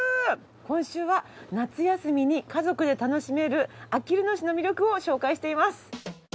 今週は夏休みに家族で楽しめるあきる野市の魅力を紹介しています。